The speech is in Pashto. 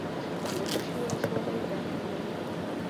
د خوشي ولسوالۍ دښتې لري